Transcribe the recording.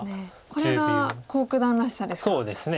これが黄九段らしさですか。